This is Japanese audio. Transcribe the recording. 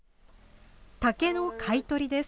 竹の買い取りです。